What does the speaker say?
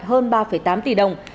hơn ba tám tỷ đồng